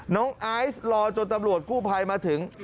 น้องไอซ์รอจนตำรวจคู่ภัยมาถึง